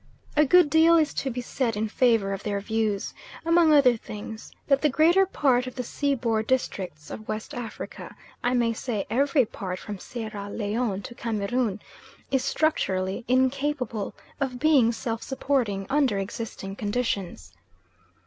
A good deal is to be said in favour of their views; among other things that the greater part of the seaboard districts of West Africa, I may say every part from Sierra Leone to Cameroon, is structurally incapable of being self supporting under existing conditions.